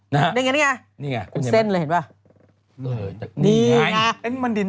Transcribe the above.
นี่ไง